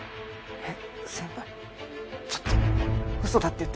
えっ？